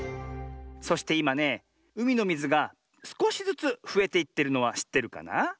そしていまねうみのみずがすこしずつふえていってるのはしってるかな？